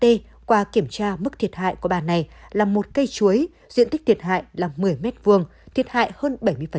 d qua kiểm tra mức thiệt hại của bà này là một cây chuối diện tích thiệt hại là một mươi m hai thiệt hại hơn bảy mươi